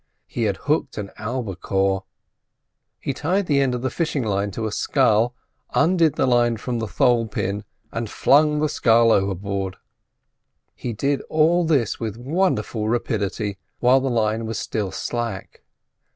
He had hooked an albicore. He tied the end of the fishing line to a scull, undid the line from the thole pin, and flung the scull overboard. He did all this with wonderful rapidity, while the line was still slack.